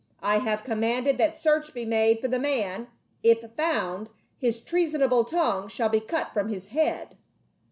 I have commanded that search be made for the man ; if found, his treason able tongue shall be cut from his head."